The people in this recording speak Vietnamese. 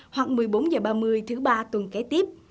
hoặc một mươi bốn h ba mươi thứ ba tuần kế tiếp